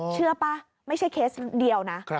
เชื่อป่ะไม่ใช่เคสเดียวนะ